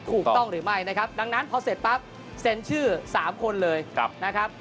ถูกต้องหรือไม่นะครับดังนั้นพอเสร็จปั๊บเซ็นชื่อ๓คนเลยนะครับ